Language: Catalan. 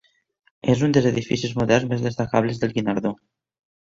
És un dels edificis moderns més destacables del Guinardó.